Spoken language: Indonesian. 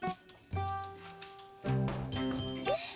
ben tuh ada diet